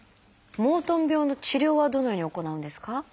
モートン病の治療はどのように行うんですか？